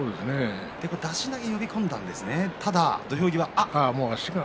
出し投げ呼び込んだんですね。